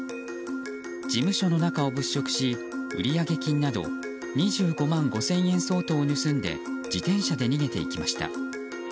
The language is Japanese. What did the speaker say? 事務所の中を物色し売上げ金２５万５０００円相当を盗んで自転車で逃げていきました。